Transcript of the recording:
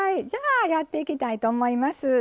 じゃあやっていきたいと思います。